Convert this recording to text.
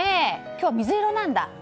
今日、水色なんだ。